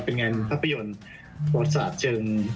เป็นงานภาพยนตร์ประสาทเชิง